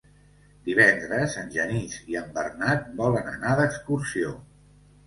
Divendres en Genís i en Bernat volen anar d'excursió.